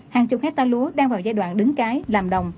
hàng chục hectare lúa đang vào giai đoạn đứng cái làm đồng